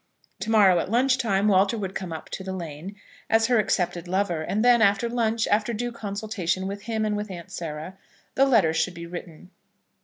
To morrow, at lunch time, Walter would come up to the lane as her accepted lover. And then, after lunch, after due consultation with him and with Aunt Sarah, the letter should be written.